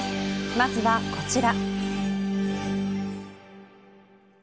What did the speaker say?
まずはこちら。